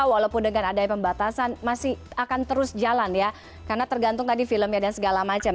walaupun dengan adanya pembatasan masih akan terus jalan ya karena tergantung tadi filmnya dan segala macam